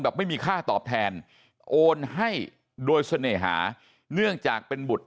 ไม่มีค่าตอบแทนโอนให้โดยเสน่หาเนื่องจากเป็นบุตร